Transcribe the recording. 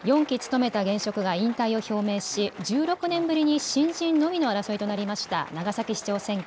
４期務めた現職が引退を表明し１６年ぶりに新人のみの争いとなりました。